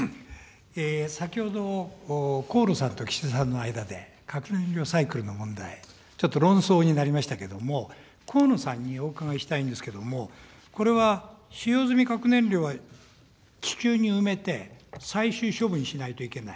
先ほど、河野さんと岸田さんの間で、核燃料サイクルの問題、ちょっと論争になりましたけれども、河野さんにお伺いしたいんですけれども、これは使用済み核燃料は地中に埋めて最終処分しないといけない。